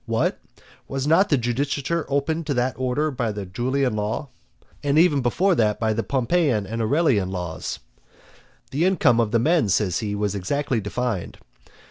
What? was not the judicature open to that order by the Julian law, and even before that by the Pompeian and Aurelian laws? The income of the men, says he, was exactly defined.